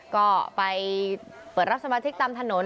ก็ไปเปิดรับสมาชิกตามถนน